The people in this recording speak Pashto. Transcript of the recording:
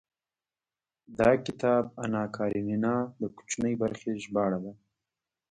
دا کتاب اناکارينينا د کوچنۍ برخې ژباړه ده.